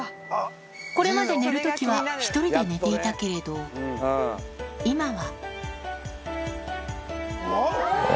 これまで寝るときは１人で寝ていたけれど、今は。